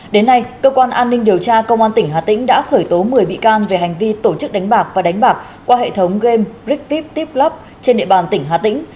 đến nay cơ quan an ninh điều tra công an tỉnh hà tĩnh đã khởi tố một mươi bị can về hành vi tổ chức đánh bạc và đánh bạc qua hệ thống game rigvip tiplub trên địa bàn tỉnh hà tĩnh